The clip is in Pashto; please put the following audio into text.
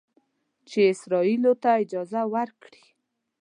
چې اسرائیلو ته اجازه ورکړي